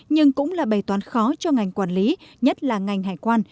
nhưng cũng là bày toán khó cho ngành quản lý nhất là ngành hải quan